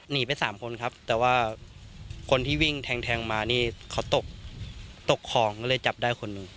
หนีไปสามคนครับแต่ว่าคนที่วิ่งแทงแทงมานี่เขาตกตกคลองก็เลยจับได้คนหนึ่ง